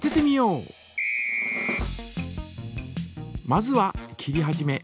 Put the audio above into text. まずは切り始め。